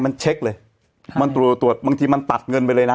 มันเช็คเลยมันตรวจตรวจบางทีมันตัดเงินไปเลยนะ